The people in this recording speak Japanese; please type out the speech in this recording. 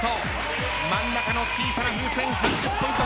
真ん中の小さな風船３０ポイント